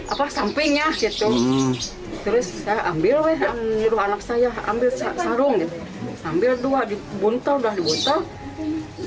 apa sampingnya gitu terus ambil weh nyuruh anak saya ambil sarung sambil dua dibuntel dah dibuntel